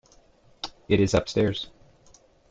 It is upstairs.